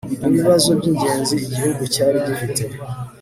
n'ibibazo by'ingenzi igihugu cyari gifite